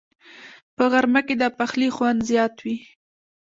په غرمه کې د پخلي خوند زیات وي